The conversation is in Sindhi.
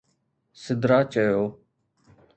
سدرا چيو